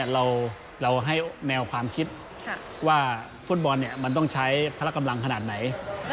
เราให้แนวความคิดว่าฟุตบอลมันต้องใช้พละกำลังขนาดไหน